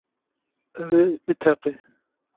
Ev ê biteqe.